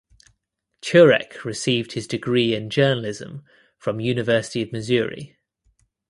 Turek received his degree in journalism from University of Missouri.